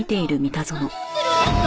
私何やってるんですか！？